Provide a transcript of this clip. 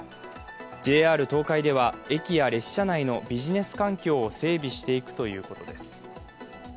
ＪＲ東海では、駅や列車内のビジネス環境を整備していくということです。